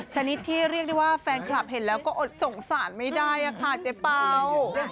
ชนิดที่เรียกได้ว่าแฟนคลับเห็นแล้วก็อดสงสารไม่ได้ค่ะเจ๊เป่า